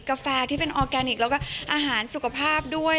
กาแฟที่เป็นออร์แกนิคแล้วก็อาหารสุขภาพด้วย